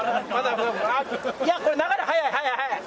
いや、これ、流れ速い、速い、速い。